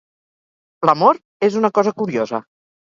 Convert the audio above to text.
L'amor és una cosa curiosa.